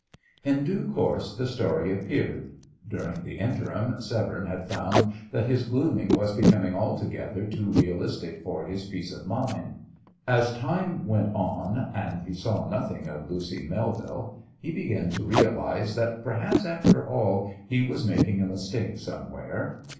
In due course the story appeared. During the interim Severne had found that his glooming was becoming altogether too realistic for his peace of mind. As time went on and he saw nothing of Lucy Melville, he began to realise that perhaps, after all, he was making a mistake somewhere.